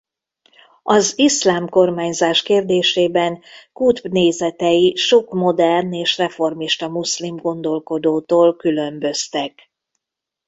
Az iszlám kormányzás kérdésében Kutb nézetei sok modern és reformista muszlim gondolkodótól különböztek.